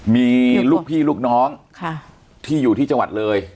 มีลูกพี่ลูกน้องที่อยู่ที่จังหวัดเลย